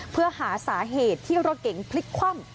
เพื่อหาสาเหตุที่รถเก๋งพลิกคว่ำ